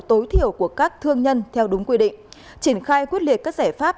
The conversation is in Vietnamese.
tối thiểu của các thương nhân theo đúng quy định triển khai quyết liệt các giải pháp